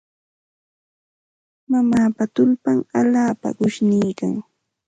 Mamaapa tullpan allaapa qushniikan.